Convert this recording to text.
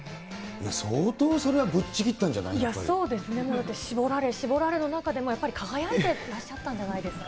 相当それはぶっちぎったんじそうですね、絞られ、絞られの中でも輝いてらっしゃったんじゃないですか？